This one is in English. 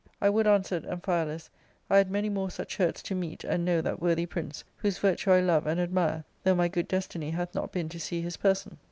" I would," answered Amphialus, " I had many more such hurts to meet and know that worthy prince, whose virtue I love and admire, though my good destiny hath not been to see his person."